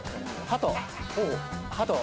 ハト。